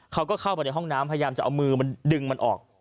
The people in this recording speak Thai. เขาก็เข้าไปในห้องน้ำพยายามจะเอามือมันดึงมันออก